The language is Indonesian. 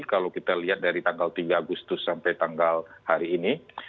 kalau kita lihat dari tanggal tiga agustus sampai tanggal hari ini